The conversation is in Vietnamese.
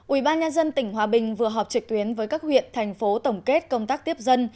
ubnd tỉnh hòa bình vừa họp trực tuyến với các huyện thành phố tổng kết công tác tiếp dân